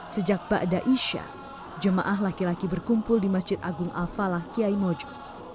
sejak bada isya jemaah laki laki berkumpul di masjid agung al falah kiai mojo